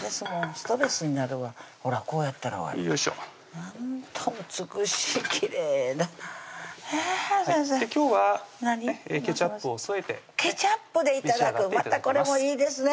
ストレスになるわほらこうやったら終わりなんと美しいきれいな今日はケチャップを添えてケチャップで頂くまたこれもいいですね